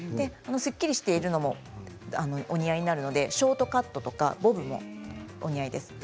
すっきりしているのもお似合いになるのでショートカットとかボブもお似合いです。